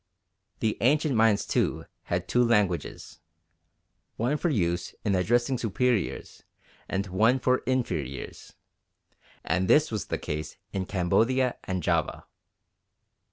The ancient Mayans, too, had two languages one for use in addressing superiors and one for inferiors, and this was the case in Cambodia and Java.